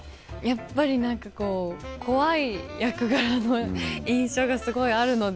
やっぱり何かこう怖い役柄の印象がすごいあるので。